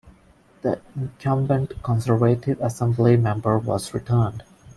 The incumbent Conservative assembly member was returned.